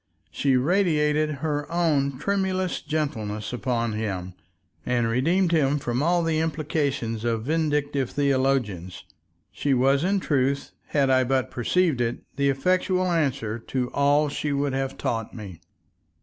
She radiated her own tremulous gentleness upon Him, and redeemed Him from all the implications of vindictive theologians; she was in truth, had I but perceived it, the effectual answer to all she would have taught me.